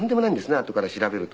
あとから調べると。